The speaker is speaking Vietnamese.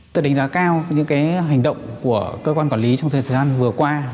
tôi đánh giá cao những hành động của cơ quan quản lý trong thời gian vừa qua